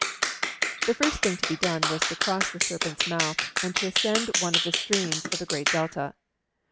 The first thing to be done was to cross the Serpent's Mouth, and to ascend one of the streams of the great delta.